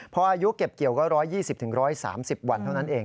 พออายุเก็บเกี่ยวก็๑๒๐๑๓๐วันเท่านั้นเอง